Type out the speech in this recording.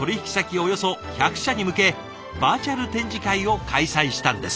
およそ１００社に向けバーチャル展示会を開催したんです。